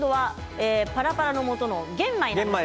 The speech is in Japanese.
パラパラのもとの玄米です。